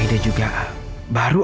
aida juga baru tanya sekarang